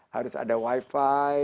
harus ada wifi